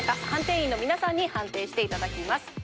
判定員の皆さんに判定して頂きます。